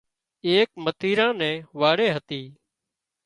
ايڪ متيران نِي واڙي هتي